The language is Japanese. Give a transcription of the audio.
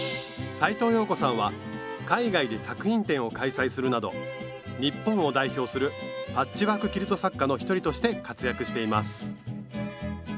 斉藤謠子さんは海外で作品展を開催するなど日本を代表するパッチワーク・キルト作家の一人として活躍しています